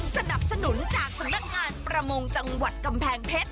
สนับสนุนจากสำนักงานประมงจังหวัดกำแพงเพชร